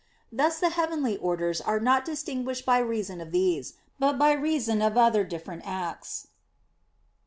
Thus the heavenly orders are not distinguished by reason of these, but by reason of other different acts.